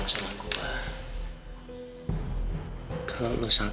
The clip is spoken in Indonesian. kenapa ini dalam a faudok